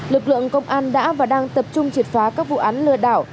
lực lượng công an đã và đang tập trung triệt phá các vụ án lừa đảo